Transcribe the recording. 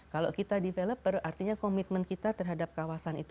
kalau kita developer artinya komitmen kita terhadap kawasan itu